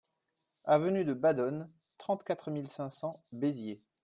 Avenue de Badones, trente-quatre mille cinq cents Béziers